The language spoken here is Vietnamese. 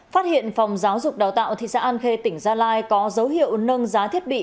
phát hiện phòng giáo dục đào tạo thị xã an khê tỉnh gia lai có dấu hiệu nâng giá thiết bị